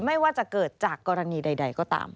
ไม่ว่าจะเกิดจากกรณีใดก็ตาม